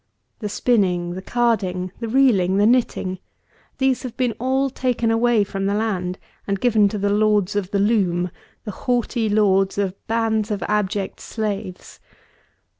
The spinning, the carding, the reeling, the knitting; these have been all taken away from the land, and given to the Lords of the Loom, the haughty lords of bands of abject slaves.